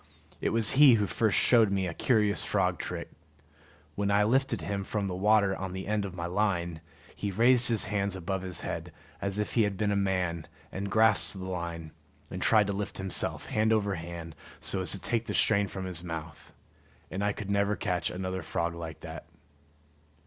It was he who first showed me a curious frog trick. When I lifted him from the water on the end of my line, he raised his hands above his head, as if he had been a man, and grasped the line, and tried to lift himself, hand over hand, so as to take the strain from his mouth. And I could never catch another frog like that.